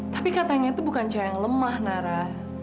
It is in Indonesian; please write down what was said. tapi katanya tuh bukan cowok yang lemah nara